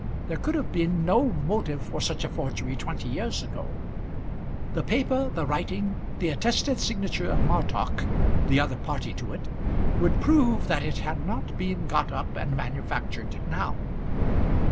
There could have been no motive for such a forgery twenty years ago. The paper, the writing, the attested signature of Martock, the other party to it, would prove that it had not been got up and manufactured now.